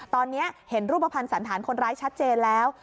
ตอนนี้เห็นรูปภัณฑ์สันธารคนร้ายชัดเจนแล้ว